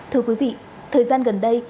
thưa quý vị thời gian gần đây